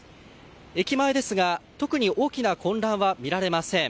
駅前ですが、特に大きな混乱は見られません。